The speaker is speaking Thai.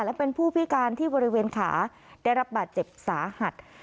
และเป็นผู้พิการที่บริเวณขาได้รับบาดเจ็บสาหัส